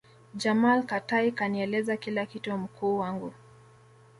jamal Katai kanieleza kila kitu mkuu wangu